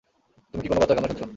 তুমি কি কোনো বাচ্চার কান্না শুনছ?